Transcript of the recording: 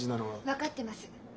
分かってます。